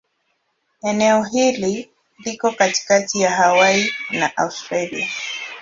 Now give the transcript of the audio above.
Eneo hili liko katikati ya Hawaii na Australia.